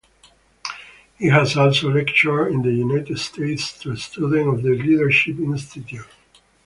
He has also lectured in the United States to students of the Leadership Institute.